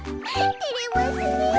てれますねえ。